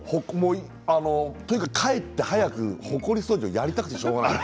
とにかく帰って早くほこり掃除をやりたくてしょうがない。